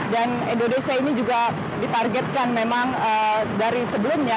dan indonesia ini juga ditargetkan memang dari sebelumnya